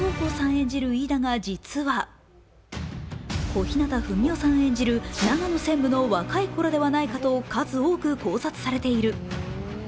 演じる飯田が実は小日向文世演じる、長野専務の若いころではないかと数多く考察されている。